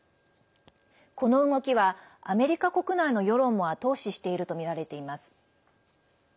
この動きはアメリカ国内の世論も後押ししているとみられています。